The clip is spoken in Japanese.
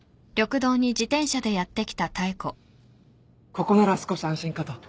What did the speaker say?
ここなら少し安心かと。